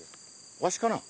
わしかなあ？